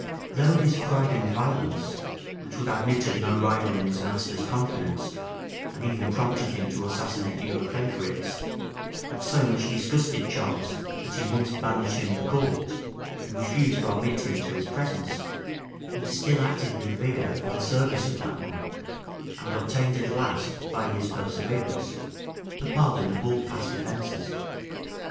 Though his pride and violence, which would admit of no rival in his master's confidence, and even prompted him to assassinate the other favorites, had so much disgusted Charles, that he once banished him the court, and refused to admit him to his presence, he still acted with vigor for the service of that monarch, and obtained at last, by his perseverance, the pardon of all past offences.